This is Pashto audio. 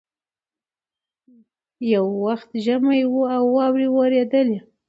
یو وخت ژمی وو او واوري اورېدلې